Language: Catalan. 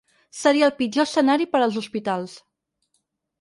Seria el pitjor escenari per als hospitals.